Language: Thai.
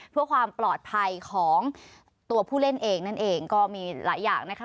เพื่อความปลอดภัยของตัวผู้เล่นเองนั่นเองก็มีหลายอย่างนะคะ